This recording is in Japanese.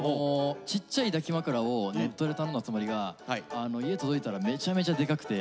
ちっちゃい抱き枕をネットで頼んだつもりが家届いたらめちゃめちゃデカくて。